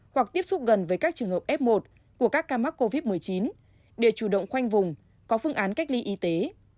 hoặc tiếp xúc gần với các trường hợp f một của các ca mắc covid một mươi chín để chủ động khoanh vùng có phương án cách ly y tế